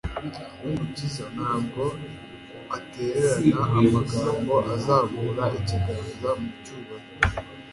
Umukiza ntabwo aterana amagambo. Azamura ikiganza mu cyubahiro,